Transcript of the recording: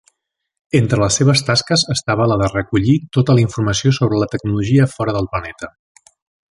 Entre les seves tasques estava la de recollir tota la informació sobre la tecnologia fora del planeta.